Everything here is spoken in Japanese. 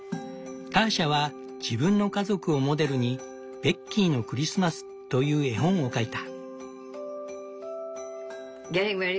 ターシャは自分の家族をモデルに「ベッキーのクリスマス」という絵本を描いた。